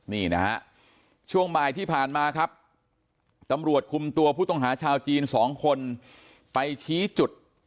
นี่นะฮะช่วงบ่ายที่ผ่านมาครับตำรวจคุมตัวผู้ต้องหาชาวจีน๒คนไปชี้จุด